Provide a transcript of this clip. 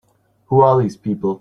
Who are these people?